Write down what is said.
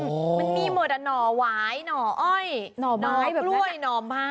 มันมีหมดอ่ะหน่อหวายหน่ออ้อยหน่อไม้กล้วยหน่อไม้